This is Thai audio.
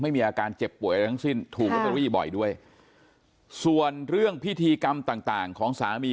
เป็นเสียงผี